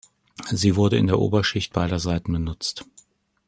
Sie wurde in der Oberschicht beider Seiten benutzt.